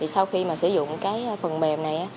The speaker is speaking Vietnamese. sau khi sử dụng phần mềm này